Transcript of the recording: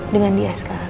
dengan dia sekarang